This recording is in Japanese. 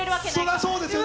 そりゃそうですよ。